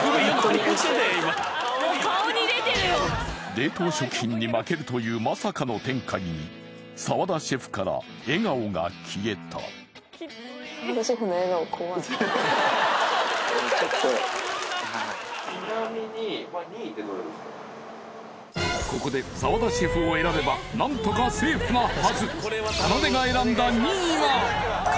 冷凍食品に負けるというまさかの展開に澤田シェフから笑顔が消えたちょっとはいここで澤田シェフを選べば何とかセーフなはず